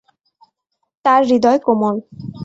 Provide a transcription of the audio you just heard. তার হৃদয় কোমল।